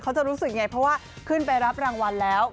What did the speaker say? เขาจะรู้สึกยังไงเพราะว่าขึ้นไปรับรางวัลแล้ว